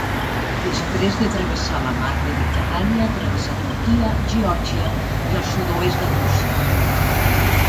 Després de travessar la mar Mediterrània, travessà Turquia, Geòrgia i el sud-oest de Rússia.